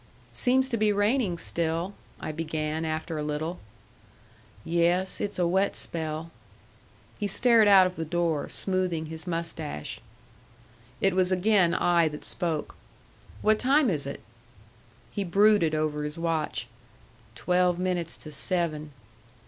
"Seems to be raining still," I began after a little. "Yes. It's a wet spell." He stared out of the door, smoothing his mustache. It was again I that spoke. "What time is it?" He brooded over his watch. "Twelve minutes to seven."